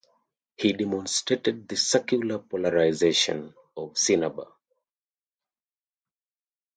He demonstrated the circular polarization of cinnabar.